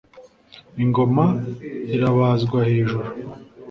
Ingoma irabazwa hejuru